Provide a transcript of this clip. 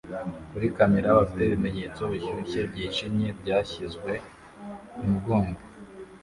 kuri kamera bafite ibimenyetso bishyushye byijimye byashyizwe kumugongo